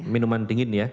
minuman dingin ya